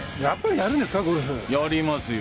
やりますよ。